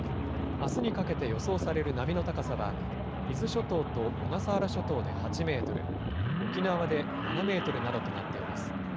あすにかけて予想される波の高さは、伊豆諸島と小笠原諸島で８メートル、沖縄で７メートルなどとなっています。